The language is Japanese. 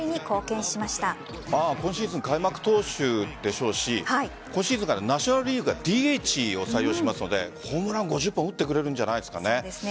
今シーズン開幕投手でしょうし今シーズンからナショナル・リーグがＤＨを採用しますのでホームラン５０本打ってくれるんじゃないですかね。